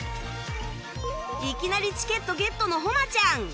いきなりチケットゲットの誉ちゃん